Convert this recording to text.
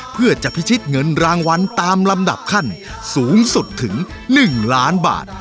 เพื่อจะพิชิตเงินรางวัลตามลำดับขั้นสูงสุดถึง๑ล้านบาท